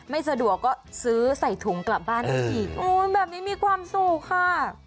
ไม่สะดวกก็ซื้อใส่ถุงกลับบ้านได้อีกโอ้ยแบบนี้มีความสุขค่ะ